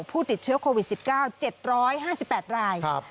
ผู้ติดเชื้อโควิด๑๙๗๕๘ราย